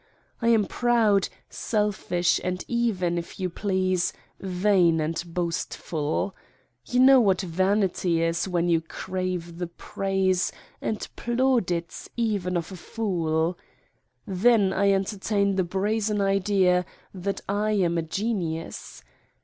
I am proud, selfish and even, if you please, vain and boastful. You know what vanity is, when you crave the praise and plaudits even of a fool? Then I entertain the brazen idea that I am a genius.